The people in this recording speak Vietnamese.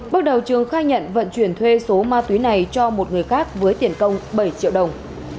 bước đầu trường khai nhận vận chuyển thuê số ma túy này cho một người khác với tiền công bảy triệu đồng